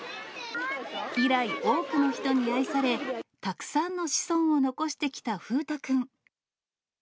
以来、多くの人に愛され、たくさんの子孫を残してきた風太君。